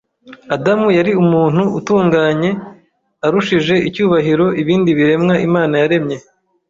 Adamu yari umuntu utunganye, urushije icyubahiro ibindi biremwa Imana yaremye.